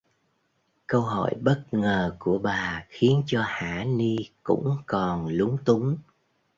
Câu hỏi bất ngờ của bà khiến cho hả ni cũng còn lúng túng